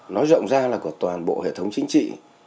nói rộng ra là của toàn bộ hệ thống chính trị